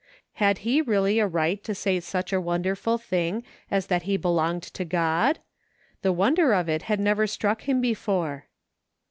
Had he really a right to say such a wonderful thing as that he belonged to God ? The wonder of it had never struck him be fore.